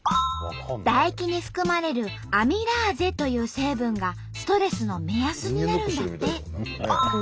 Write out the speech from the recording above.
唾液に含まれるアミラーゼという成分がストレスの目安になるんだって。